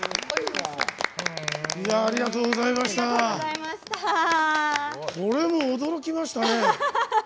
これは驚きましたね。